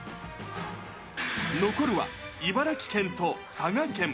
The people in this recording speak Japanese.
残るは、茨城県と佐賀県。